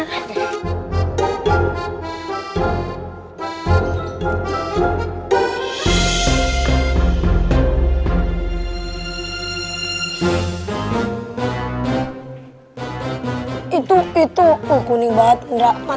sama agak berhasil